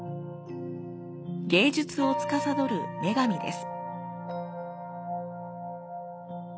芸術をつかさどる女神です。